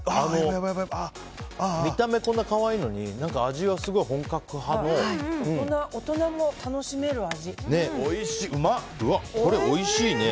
見た目、こんなに可愛いのに味はすごい大人も楽しめる味。